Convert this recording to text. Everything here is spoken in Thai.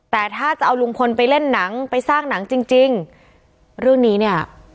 แต่ถ้าจะเอาลุงพลไปเล่นหนังไปสร้างหนังจริงจริงเรื่องนี้เนี่ย